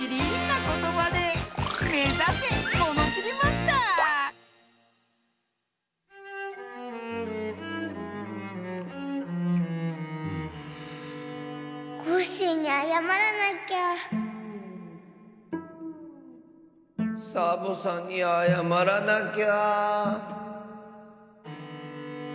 こころのこえサボさんにあやまらなきゃ。